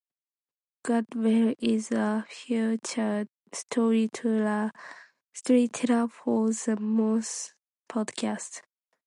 Gladwell is a featured storyteller for the Moth Podcast.